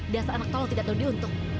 dasar anak tolong tidak teruntuk